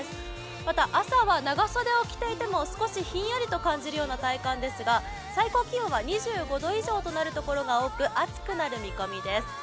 また、朝は長袖を着ていても少しひんやりと感じる体感ですが最高気温は２５度以上となるところが多く暑くなる見込みです。